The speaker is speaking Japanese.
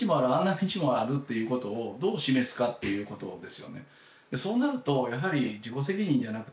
道もあるっていうことをどう示すかっていうことですよね。